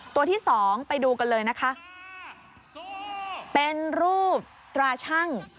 ตัวที่สองไปดูกันเลยนะคะเป็นรูปตราชั่ง